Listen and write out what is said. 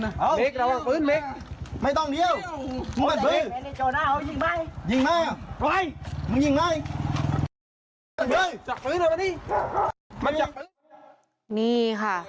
จากปืนเลยนี่มันจากปืนนี่ค่ะ